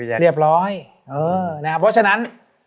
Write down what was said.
เออเรียบร้อยเพราะฉะนั้น